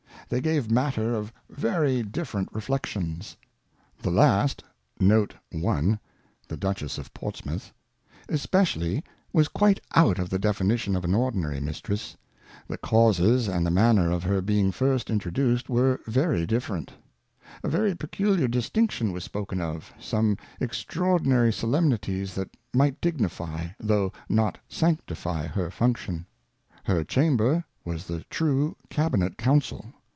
They gave Matter of very different Reflec tions. King Charles II. 195 tions. The last ^ especially was quite out of the Definition of an ordinary Mistress ; the Causes and the Manner of her being first introduced were very different. A very peculiar Distinction was spoken of, some extraordinary Solemnities that might dignify, though not sanctify her Function. Her Chamber was the true Cabinet Council.